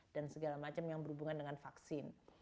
dan segala macam yang berhubungan dengan vaksin